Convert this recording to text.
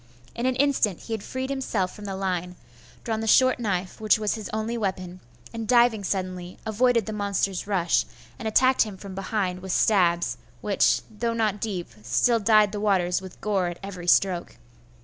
In an instant he had freed himself from the line; drawn the short knife which was his only weapon; and diving suddenly, avoided the monster's rush, and attacked him from behind with stabs, which, though not deep, still dyed the waters with gore at every stroke.